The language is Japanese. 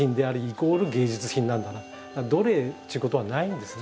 どれっちゅうことはないんですね。